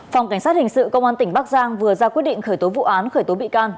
phòng cảnh sát hình sự công an tp tam kỳ vừa ra quyết định khởi tố vụ án khởi tố bị can